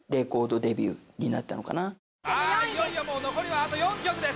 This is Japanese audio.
いよいよ残りはあと４曲です